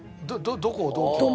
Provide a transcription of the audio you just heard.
どこをどう切る？